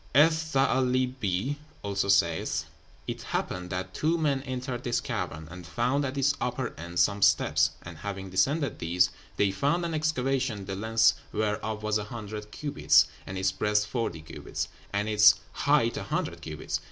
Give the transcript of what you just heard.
"Eth Tha'álibee also saith, 'It happened that two men entered this cavern, and found at its upper end some steps, and having descended these, they found an excavation, the length whereof was a hundred cubits, and its breadth forty cubits, and its height a hundred cubits.